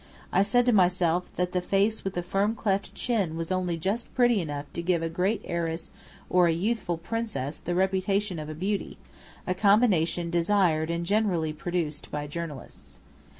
I said to myself, that the face with the firm cleft chin was only just pretty enough to give a great heiress or a youthful princess the reputation of a beauty; a combination desired and generally produced by journalists.